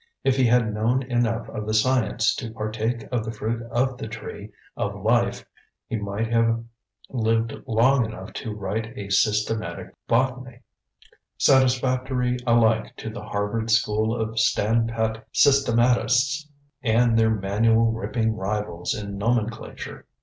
If he had known enough of the science to partake of the fruit of the tree of life he might have lived long enough to write a systematic botany, satisfactory alike to the Harvard school of standpat systematists and their manual ripping rivals in nomenclature.